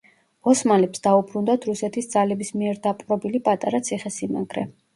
ოსმალებს დაუბრუნდათ რუსეთის ძალების მიერ დაპყრობილი პატარა ციხესიმაგრე.